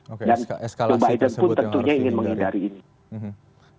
oke eskalasi tersebut yang harus dihindari